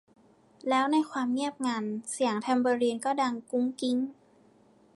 แล้ว ในความเงียบงัน เสียงแทมเบอรีนก็ดังกุ๊งกิ๊ง